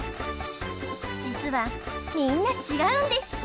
実はみんな違うんです